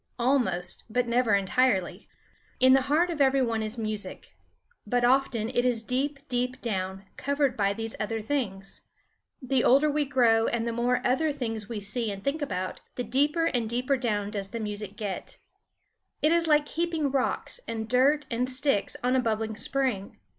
Almost, but never entirely. In the heart of every one is music. But often it is deep, deep down, covered by these other things. The older we grow and the more other things we see and think about, the deeper and deeper down does the music get. It is like heaping rocks, and dirt, and sticks on a bubbling spring.